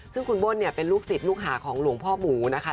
ซึ่งคุณเบิ้ลเนี่ยเป็นลูกศิษย์ลูกหาของหลวงพ่อหมูนะคะ